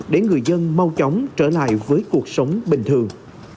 để người dân mau chóng trở lại với cuộc sống bình thường